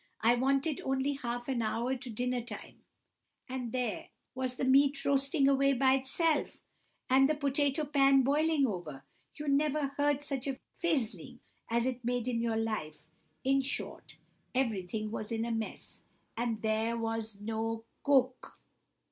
It wanted only half an hour to dinner time, and there was the meat roasting away by itself, and the potatoe pan boiling over. You never heard such a fizzling as it made in your life—in short, everything was in a mess, and there was no cook.